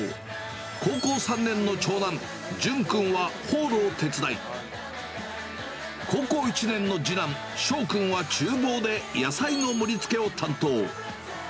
高校３年の長男、淳君は、ホールを手伝い、高校１年の次男、翔君はちゅう房で野菜の盛りつけを担当。